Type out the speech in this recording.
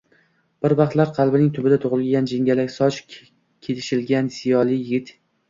Bir vaqtlar qalbining tubida tugʼilgan jingalak soch, kelishgan ziyoli yigit